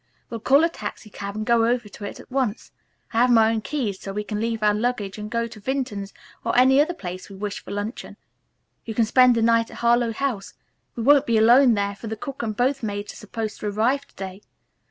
"We'll call a taxicab and go over to it at once. I have my own key, so we can leave our luggage and go to Vinton's or any other place we wish for luncheon. You can spend the night at Harlowe House. We won't be alone there, for the cook and both maids are supposed to arrive to day.